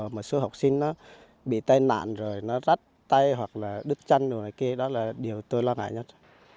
một số học sinh nó bị tai nạn rồi nó rắt tay hoặc là đứt chăn đồ này kia đó là điều tôi lo ngại nhất